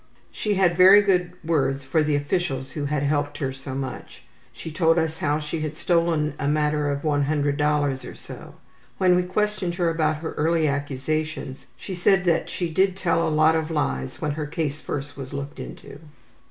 She had very good words for the officials who had helped her so much. She told us how she had stolen a matter of $100 or so. When we questioned her about her early accusations she said that she did tell a lot of lies when her case first was looked into.